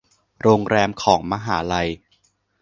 โรงแรมของมหาลัย